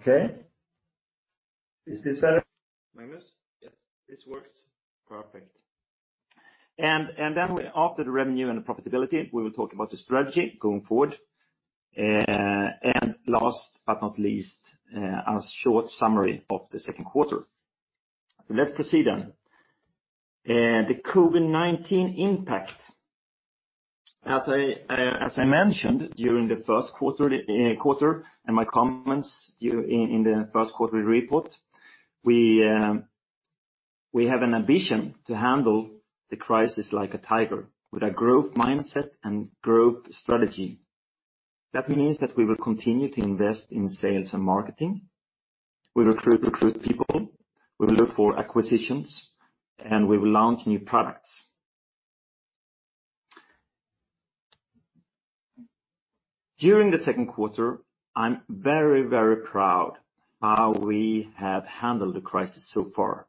Okay. Is this better? Magnus? Yes. This works perfect. Then after the revenue and the profitability, we will talk about the strategy going forward. Last but not least, a short summary of the second quarter. Let's proceed then. The COVID-19 impact. As I mentioned during the first quarter and my comments in the first quarter report, we have an ambition to handle the crisis like a tiger with a growth mindset and growth strategy. That means that we will continue to invest in sales and marketing. We will recruit people. We will look for acquisitions, and we will launch new products. During the second quarter, I'm very, very proud of how we have handled the crisis so far.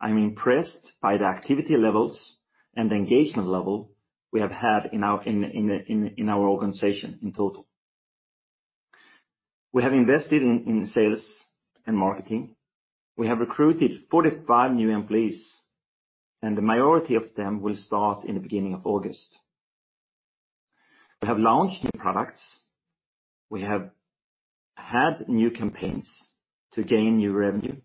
I'm impressed by the activity levels and the engagement level we have had in our organization in total. We have invested in sales and marketing. We have recruited 45 new employees, and the majority of them will start in the beginning of August. We have launched new products. We have had new campaigns to gain new revenue.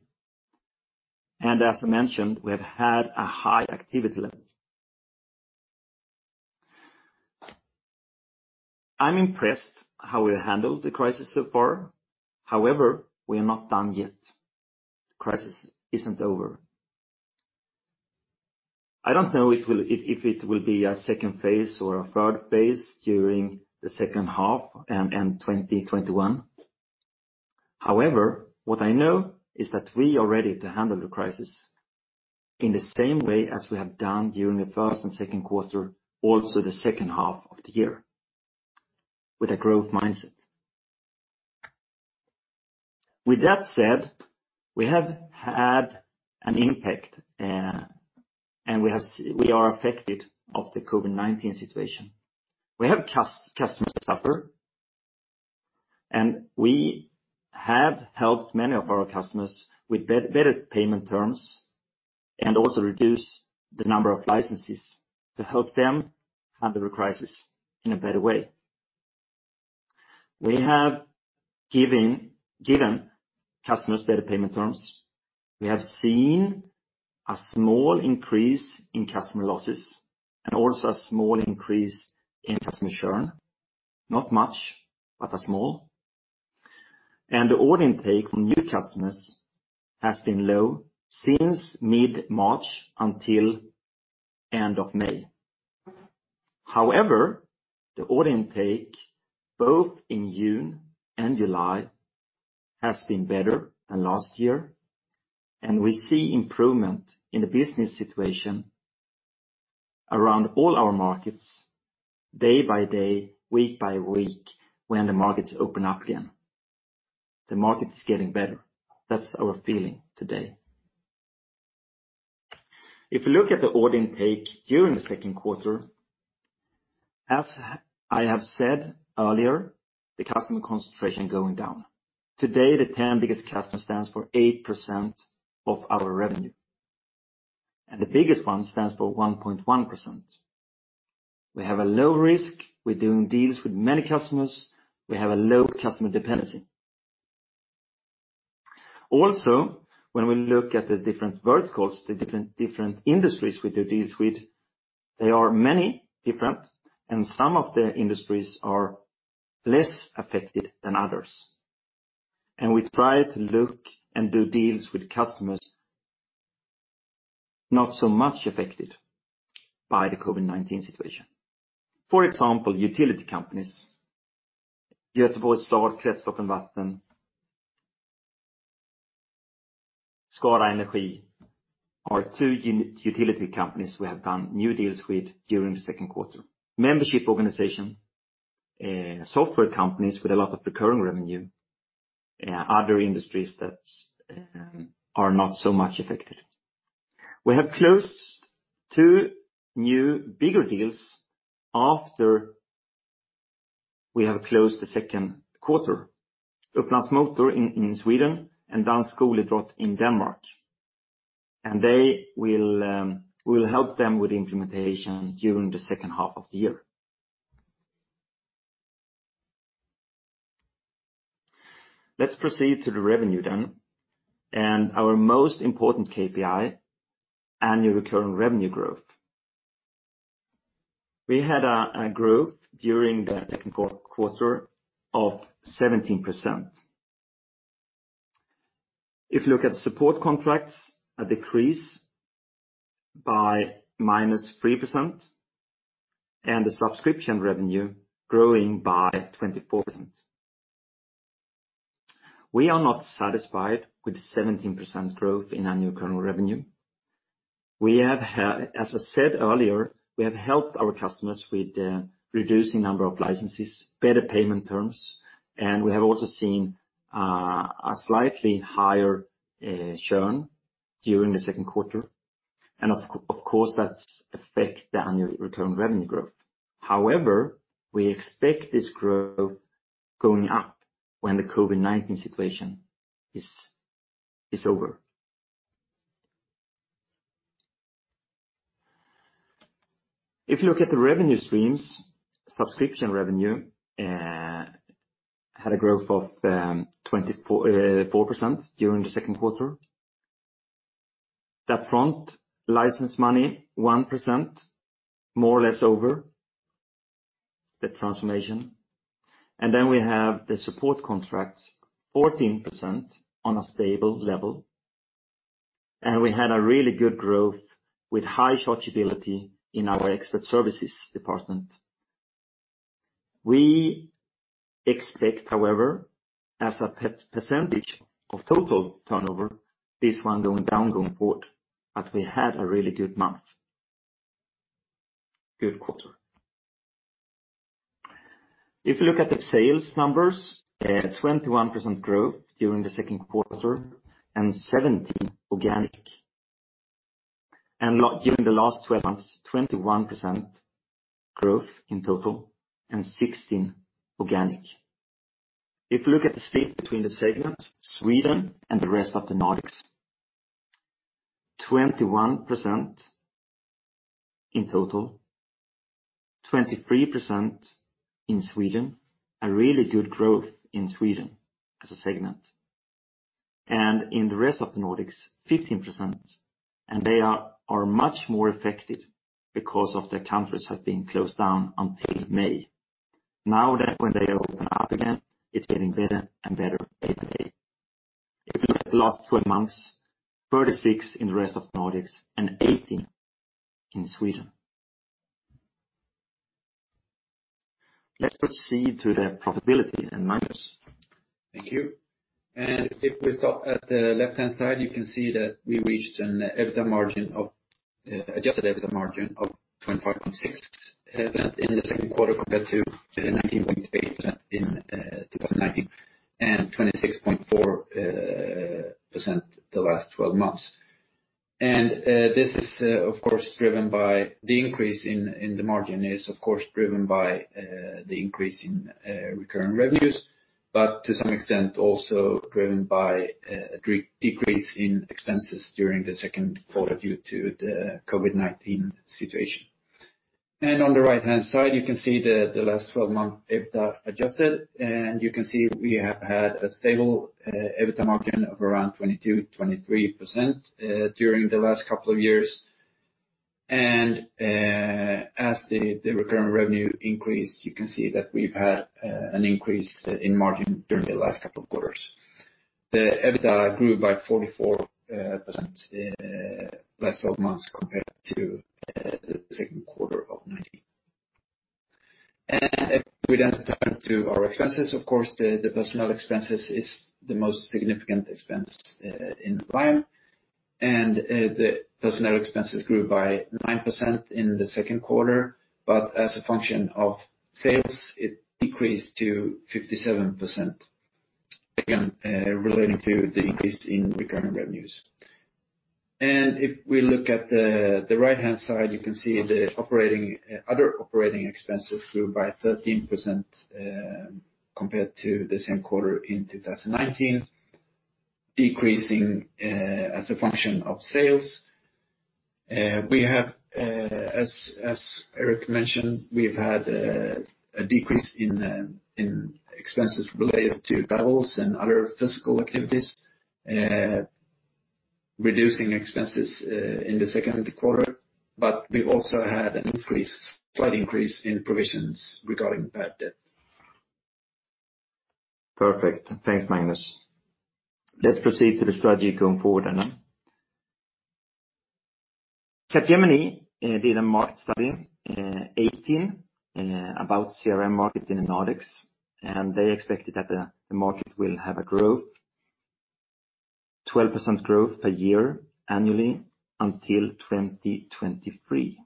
And as I mentioned, we have had a high activity level. I'm impressed how we've handled the crisis so far. However, we are not done yet. The crisis isn't over. I don't know if it will be a second phase or a third phase during the second half and 2021. However, what I know is that we are ready to handle the crisis in the same way as we have done during the first and second quarter, also the second half of the year, with a growth mindset. With that said, we have had an impact, and we are affected by the COVID-19 situation. We have customers suffer, and we have helped many of our customers with better payment terms and also reduce the number of licenses to help them handle the crisis in a better way. We have given customers better payment terms. We have seen a small increase in customer losses and also a small increase in customer churn. Not much, but a small, and the order intake from new customers has been low since mid-March until the end of May. However, the order intake both in June and July has been better than last year, and we see improvement in the business situation around all our markets day by day, week by week when the markets open up again. The market is getting better. That's our feeling today. If we look at the order intake during the second quarter, as I have said earlier, the customer concentration is going down. Today, the 10 biggest customers stand for 8% of our revenue, and the biggest one stands for 1.1%. We have a low risk. We're doing deals with many customers. We have a low customer dependency. Also, when we look at the different verticals, the different industries we do deals with, they are many different, and some of the industries are less affected than others, and we try to look and do deals with customers not so much affected by the COVID-19 situation. For example, utility companies: Göteborgs Stad, Kretslopp och vatten, Skara Energi are two utility companies we have done new deals with during the second quarter. Membership organization, software companies with a lot of recurring revenue, and other industries that are not so much affected. We have closed two new bigger deals after we have closed the second quarter: Upplands Motor in Sweden and Dansk Skoleidræt in Denmark. And they will help them with implementation during the second half of the year. Let's proceed to the revenue then. And our most important KPI: annual recurring revenue growth. We had a growth during the second quarter of 17%. If you look at the support contracts, a decrease by minus 3%, and the subscription revenue growing by 24%. We are not satisfied with 17% growth in annual recurring revenue. As I said earlier, we have helped our customers with reducing the number of licenses, better payment terms, and we have also seen a slightly higher churn during the second quarter. And of course, that affects the annual recurring revenue growth. However, we expect this growth to go up when the COVID-19 situation is over. If you look at the revenue streams, subscription revenue had a growth of 24% during the second quarter. That front license money, 1%, more or less over the transformation, and then we have the support contracts, 14% on a stable level, and we had a really good growth with high chargeability in our expert services department. We expect, however, as a percentage of total turnover, this one going down going forward, that we had a really good month, good quarter. If you look at the sales numbers, 21% growth during the second quarter and 17% organic, and during the last 12 months, 21% growth in total and 16% organic. If you look at the split between the segments, Sweden and the rest of the Nordics, 21% in total, 23% in Sweden, a really good growth in Sweden as a segment, and in the rest of the Nordics, 15%, and they are much more affected because the countries have been closed down until May. Now that when they open up again, it's getting better and better day by day. If you look at the last 12 months, 36% in the rest of the Nordics and 18% in Sweden. Let's proceed to the profitability and numbers. Thank you. If we stop at the left-hand side, you can see that we reached an adjusted EBITDA margin of 25.6% in the second quarter compared to 19.8% in 2019 and 26.4% the last 12 months. This is, of course, driven by the increase in recurring revenues, but to some extent also driven by a decrease in expenses during the second quarter due to the COVID-19 situation. On the right-hand side, you can see the last 12-month adjusted EBITDA, and you can see we have had a stable EBITDA margin of around 22%-23% during the last couple of years. As the recurring revenue increased, you can see that we've had an increase in margin during the last couple of quarters. The EBITDA grew by 44% the last 12 months compared to the second quarter of 2019. If we then turn to our expenses, of course, the personnel expenses is the most significant expense in Lime. The personnel expenses grew by 9% in the second quarter, but as a function of sales, it decreased to 57% again relating to the increase in recurring revenues. If we look at the right-hand side, you can see the other operating expenses grew by 13% compared to the same quarter in 2019, decreasing as a function of sales. We have, as Erik mentioned, we've had a decrease in expenses related to travels and other physical activities, reducing expenses in the second quarter, but we also had an increase, slight increase in provisions regarding bad debt. Perfect. Thanks, Magnus. Let's proceed to the strategy going forward then. KPMG did a market study 2018 about CRM market in the Nordics, and they expected that the market will have a growth, 12% growth per year annually until 2023.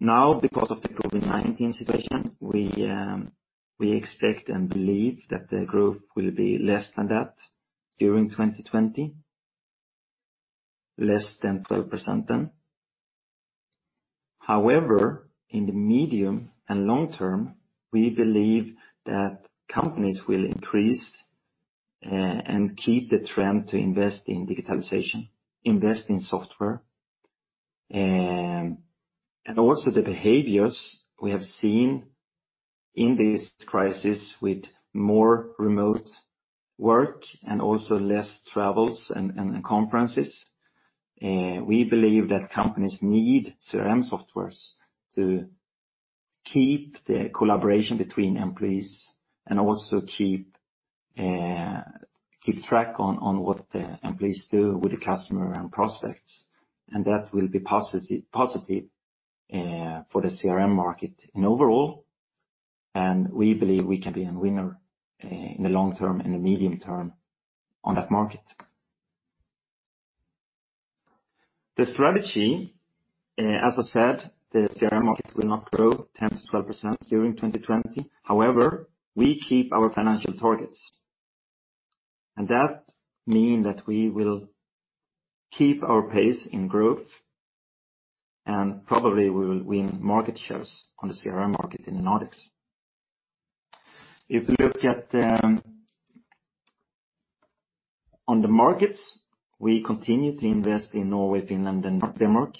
Now, because of the COVID-19 situation, we expect and believe that the growth will be less than that during 2020, less than 12% then. However, in the medium and long term, we believe that companies will increase and keep the trend to invest in digitalization, invest in software, and also the behaviors we have seen in this crisis with more remote work and also less travels and conferences, we believe that companies need CRM softwares to keep the collaboration between employees and also keep track on what the employees do with the customer and prospects, and that will be positive for the CRM market in overall. And we believe we can be a winner in the long term and the medium term on that market. The strategy, as I said, the CRM market will not grow 10%-12% during 2020. However, we keep our financial targets. And that means that we will keep our pace in growth, and probably we will win market shares on the CRM market in the Nordics. If you look at the markets, we continue to invest in Norway, Finland, and Denmark.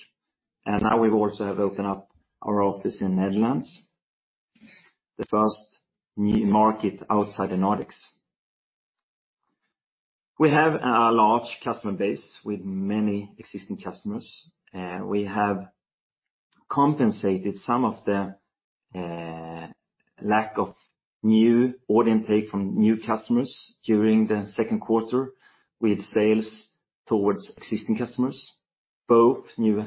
And now we've also opened up our office in the Netherlands, the first new market outside the Nordics. We have a large customer base with many existing customers. We have compensated some of the lack of new order intake from new customers during the second quarter with sales towards existing customers, both new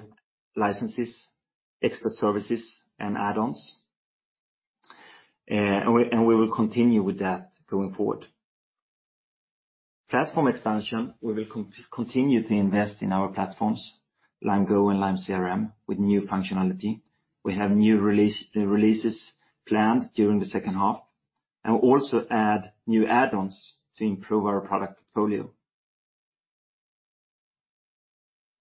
licenses, expert services, and add-ons. And we will continue with that going forward. Platform expansion, we will continue to invest in our platforms, Lime Go and Lime CRM, with new functionality. We have new releases planned during the second half, and we'll also add new add-ons to improve our product portfolio.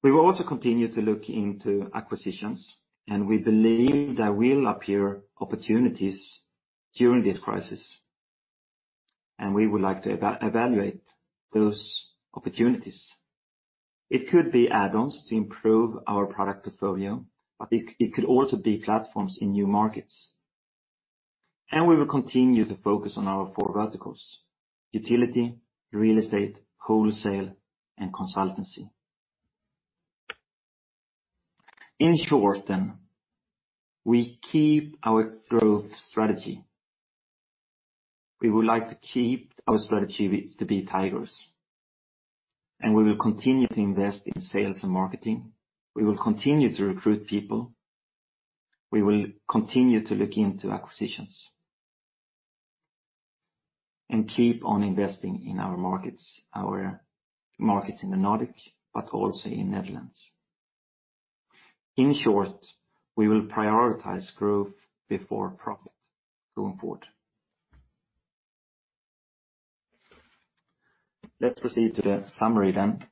We will also continue to look into acquisitions, and we believe there will appear opportunities during this crisis, and we would like to evaluate those opportunities. It could be add-ons to improve our product portfolio, but it could also be platforms in new markets, and we will continue to focus on our four verticals: utility, real estate, wholesale, and consultancy. In short then, we keep our growth strategy. We would like to keep our strategy to be tigers, and we will continue to invest in sales and marketing. We will continue to recruit people. We will continue to look into acquisitions and keep on investing in our markets, our markets in the Nordics, but also in the Netherlands. In short, we will prioritize growth before profit going forward. Let's proceed to the summary then.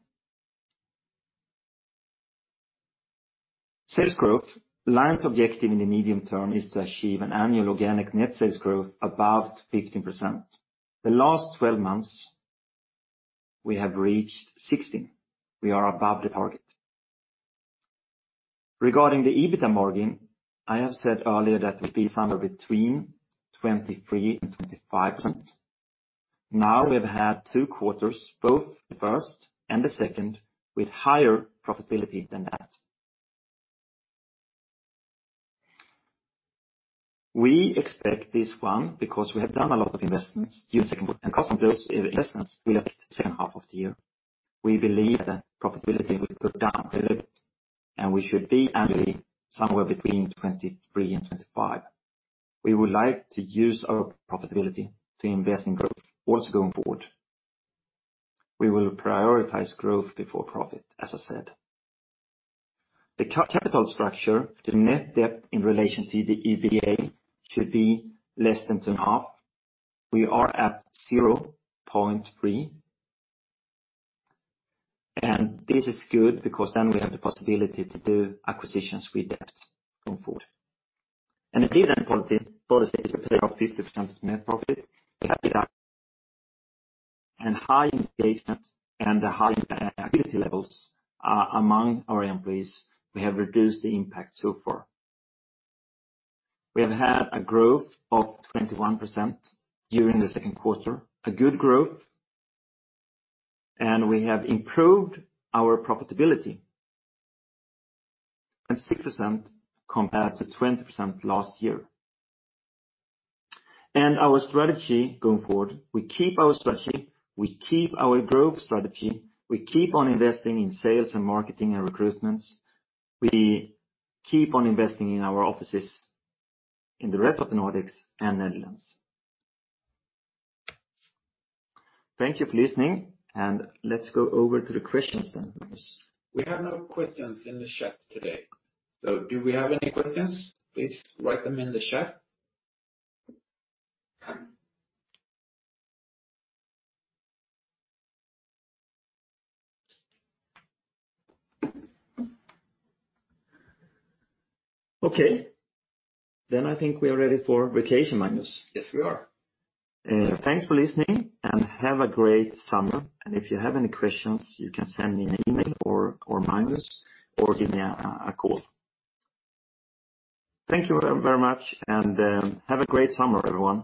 Sales growth, Lime's objective in the medium term is to achieve an annual organic net sales growth above 15%. The last 12 months, we have reached 16%. We are above the target. Regarding the EBITDA margin, I have said earlier that we summarize between 23% and 25%. Now we have had two quarters, both the first and the second, with higher profitability than that. We expect this one because we have done a lot of investments during the second quarter and customers' investments in the second half of the year. We believe that profitability will go down a little bit, and we should be annually somewhere between 23% and 25%. We would like to use our profitability to invest in growth also going forward. We will prioritize growth before profit, as I said. The capital structure, the net debt in relation to the EBITDA should be less than 2.5%. We are at 0.3%, and this is good because then we have the possibility to do acquisitions with debt going forward, and the dividend policy for the sales of 50% of net profit, and high engagement and the high ability levels among our employees, we have reduced the impact so far. We have had a growth of 21% during the second quarter, a good growth, and we have improved our profitability by 6% compared to 20% last year, and our strategy going forward, we keep our strategy, we keep our growth strategy, we keep on investing in sales and marketing and recruitments. We keep on investing in our offices in the rest of the Nordics and Netherlands. Thank you for listening, and let's go over to the questions then. We have no questions in the chat today. So do we have any questions? Please write them in the chat. Okay. Then I think we are ready for vacation, Magnus. Yes, we are. Thanks for listening and have a great summer. And if you have any questions, you can send me an email or Magnus or give me a call. Thank you very much and have a great summer, everyone.